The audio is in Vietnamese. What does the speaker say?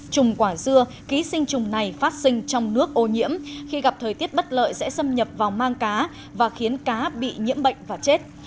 trùng quả dưa ký sinh trùng này phát sinh trong nước ô nhiễm khi gặp thời tiết bất lợi sẽ xâm nhập vào mang cá và khiến cá bị nhiễm bệnh và chết